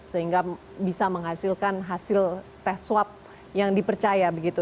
sehingga bisa menghasilkan hasil tes swab yang dipercaya begitu